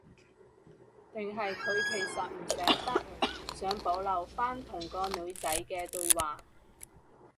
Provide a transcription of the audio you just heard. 定係佢其實唔捨得，想保留返同個女仔嘅對話